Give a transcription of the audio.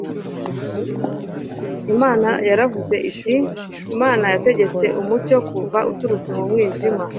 Imana yaravuze iti : “Imana yategetse umucyo kuva uturutse mu mwijima!